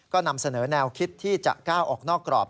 ก็นำเสนอแนวคิดที่จะก้าวออกนอกกรอบ